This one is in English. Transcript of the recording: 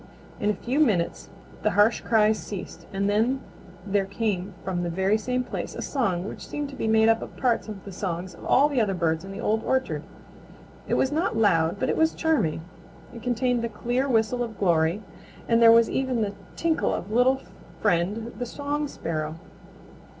In a few minutes the harsh cries ceased and then there came from the very same place a song which seemed to be made up of parts of the songs of all the other birds of the Old Orchard. It was not loud, but it was charming. It contained the clear whistle of Glory, and there was even the tinkle of Little Friend the Song Sparrow.